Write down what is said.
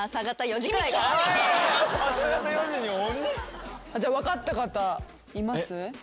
朝方４時に鬼？じゃあ分かった方います？